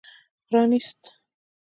پرانېست.